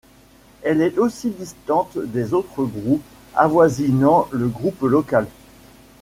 Elle est aussi distante des autres Groupe avoisinant le Groupe local.